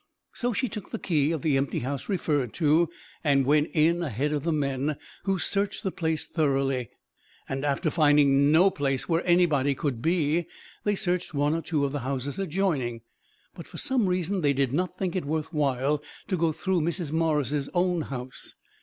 So she took the key of the empty house referred to, and went in ahead of the men, who searched the place thoroughly, and, after finding no place where anybody could be, they searched one or two of the houses adjoining; but for some reason they did not think it worth while to go through Mrs. Morris's own house.